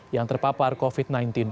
yang terpapar covid sembilan belas